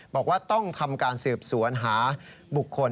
บอกว่าต้องทำการสืบสวนหาบุคคล